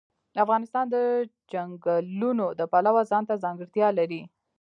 افغانستان د چنګلونه د پلوه ځانته ځانګړتیا لري.